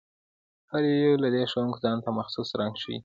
هر یو له دې ښودونکو ځانته مخصوص رنګ ښيي.